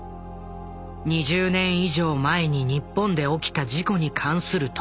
２０年以上前に日本で起きた事故に関する特集。